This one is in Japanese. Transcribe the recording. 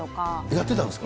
やってたんですか。